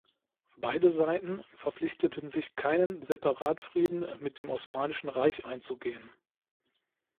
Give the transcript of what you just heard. Beide Seiten verpflichteten sich keinen Separatfrieden mit dem Osmanischen Reich einzugehen.